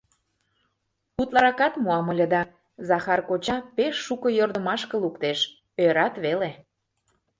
Утларакат муам ыле да, Захар коча пеш шуко йӧрдымашке луктеш, ӧрат веле.